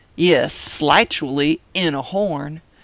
Yes slightually in a horn.